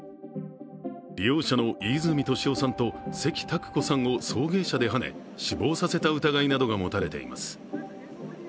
利用者の飯泉利夫さんと関拓子さんを送迎車ではね死亡させた疑いなどが持たれています。